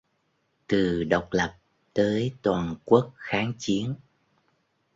Từ Độc lập tới Toàn quốc kháng chiến